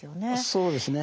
そうですね。